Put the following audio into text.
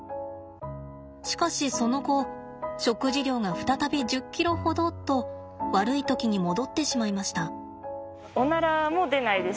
しかしその後食事量が再び１０ｋｇほどと悪い時に戻ってしまいました。